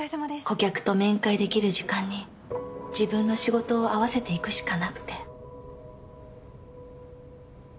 顧客と面会できる時間に自分の仕事を合わせていくしかなくて。